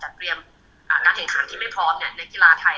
แล้วก็เป็นกำลังใจเชียร์พวกเราด้วยทำได้กีฬาไทย